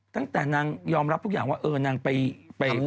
นางยอมรับทุกอย่างว่าเออนางไป